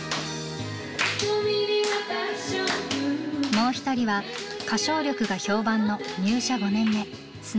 もう一人は歌唱力が評判の入社５年目砂原麻里さん。